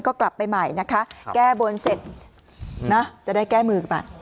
ก็กลับไปใหม่นะคะแก้บนเสร็จนะจะได้แก้มือกันไป